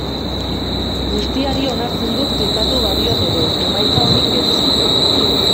Guztiari onartzen dut klikatu badiot ere, emaitza onik ez.